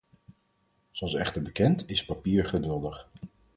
Zoals echter bekend is papier geduldig.